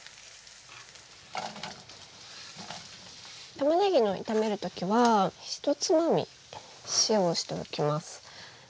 たまねぎを炒める時は１つまみ塩をしておきます。